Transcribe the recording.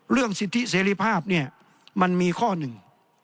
เรื่องสิทธิเสรีภาพเนี่ยมันมีข้อหนึ่ง